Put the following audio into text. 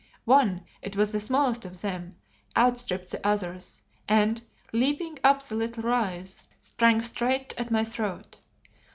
One, it was the smallest of them, outstripped the others, and, leaping up the little rise, sprang straight at my throat.